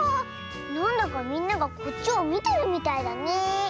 なんだかみんながこっちをみてるみたいだねえ。